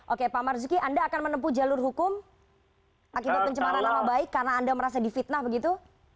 oke pak marzuki anda akan menempuh jalur hukum akibat pencemaran nama baik karena anda merasa difitnah begitu